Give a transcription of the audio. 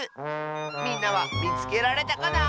みんなはみつけられたかな？